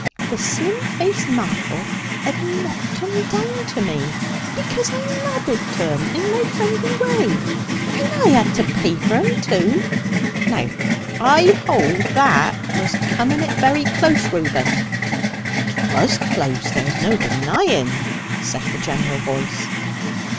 The slim faced martel had knocked 'em down to me because I nodded to en in my friendly way; and I had to pay for 'em too. Now, I hold that that was coming it very close, Reuben?" "'Twas close, there's no denying," said the general voice.